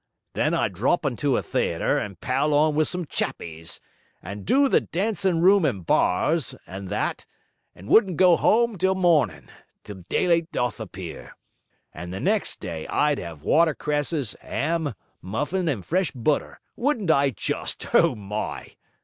Then I'd drop into a theatre, and pal on with some chappies, and do the dancing rooms and bars, and that, and wouldn't go 'ome till morning, till daylight doth appear. And the next day I'd have water cresses, 'am, muffin, and fresh butter; wouldn't I just, O my!'